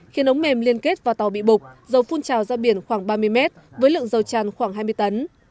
khiến ống mềm liên kết vào tàu bị bục dầu phun trào ra biển khoảng ba mươi mét với lượng dầu tràn khoảng hai mươi tấn